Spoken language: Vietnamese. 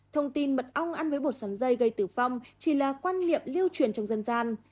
thông tin mật ong ăn với bột sắn dây gây tử vong chỉ là quan niệm lưu truyền trong dân gian